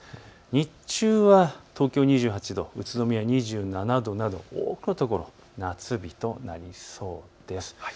日中は東京２８度、宇都宮２７度など多くの所夏日となりそうです。